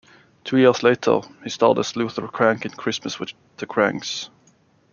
Two years later, he starred as Luther Krank in "Christmas with the Kranks".